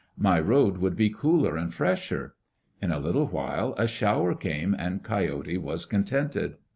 My road would be cooler and fresher." In a little while a shower came and Coyote was contented.